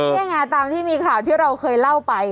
นี่ไงตามที่มีข่าวที่เราเคยเล่าไป